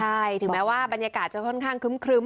ใช่ถึงแม้ว่าบรรยากาศจะค่อนข้างครึ้ม